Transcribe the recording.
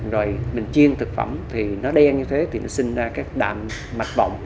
rồi mình chiên thực phẩm thì nó đen như thế thì nó sinh ra các đạn mạch bọng